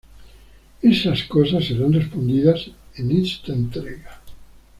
Esas cosas serán respondidas en esta entrega.